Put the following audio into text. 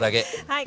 はい。